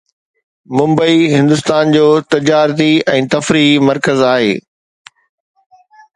ممبئي هندستان جو تجارتي ۽ تفريحي مرڪز آهي